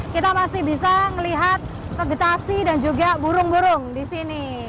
kita masih bisa melihat vegetasi dan juga burung burung di sini